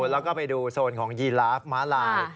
แล้วก็ไปดูโซนของยีลาฟม้าลาย